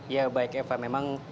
ya baik efem memang